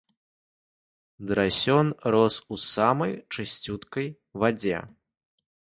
Драсён рос у самай чысцюсенькай вадзе.